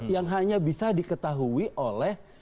yang hanya bisa diketahui oleh